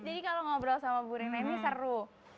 jadi kalau ngobrol sama bu rina ini seru